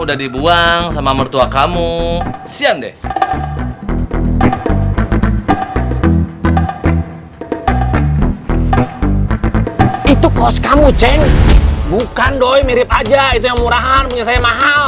masih berbentukyour bag cute fitness card ya bagensisisigo ya blablabla